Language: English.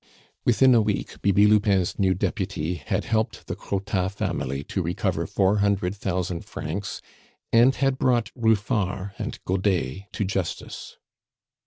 Within a week Bibi Lupin's new deputy had helped the Crottat family to recover four hundred thousand francs, and had brought Ruffard and Godet to justice.